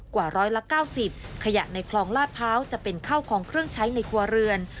กว่าร้อยละ๙๐ขยะในคลองลาดพร้าวจะเป็นข้าวของเครื่องใช้ในครัวเรือน